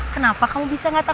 kenapa kamu bisa nggak tahu